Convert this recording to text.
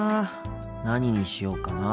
何にしようかなあ。